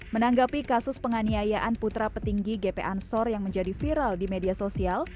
menanggapi kasus penganiayaan putra petinggi gp ansor yang menjadi viral di media sosial